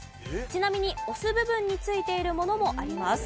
ちなみに押す部分についているものもあります。